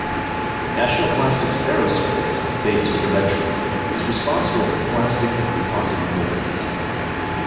National Plastics Aerospace based in Coventry, is responsible for the plastic and composite mouldings.